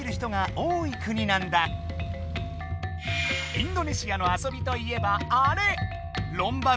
インドネシアの遊びといえばあれ！